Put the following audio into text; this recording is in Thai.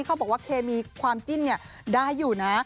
เขาบอกว่าเคมีความจิ้นได้อยู่นะ